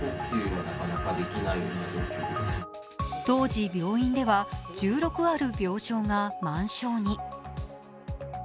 当時、病院では１６ある病床が満床に。